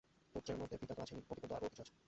পুত্রের মধ্যে পিতা তো আছেনই, অধিকন্তু আরও কিছু আছে।